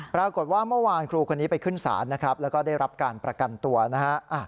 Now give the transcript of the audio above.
ปรากฏว่าเมื่อวานครูคนนี้ไปขึ้นศาลนะครับแล้วก็ได้รับการประกันตัวนะฮะ